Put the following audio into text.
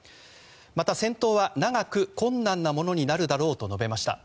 また、戦闘は長く困難なものになるだろうと述べました。